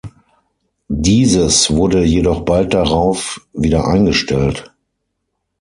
Dieses wurde jedoch bald darauf wieder eingestellt.